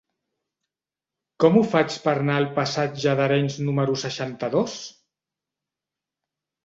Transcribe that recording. Com ho faig per anar al passatge d'Arenys número seixanta-dos?